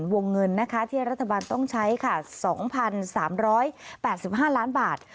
วงเงินที่รัฐบาลต้องใช้๒๓๘๕ล้านบาท